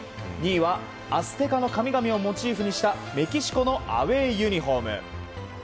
２位はアステカの神々をモチーフにしたメキシコのアウェーユニホーム。